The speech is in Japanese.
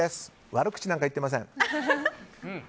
悪口なんか言ってません。